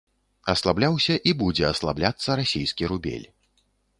Аслабляўся і будзе аслабляцца расійскі рубель.